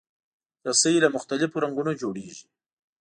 رسۍ له مختلفو رنګونو جوړېږي.